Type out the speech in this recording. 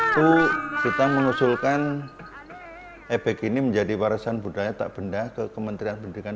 itu kita mengusulkan ebek ini menjadi warisan budaya tak benda ke kementerian pendidikan dua ribu dua puluh satu